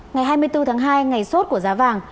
ngày hai mươi bốn tháng hai ngày suốt của giá vàng